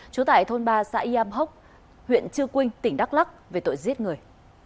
trú tại thôn ba xã y am hốc huyện chư quynh tỉnh đắk lắc về tội giết người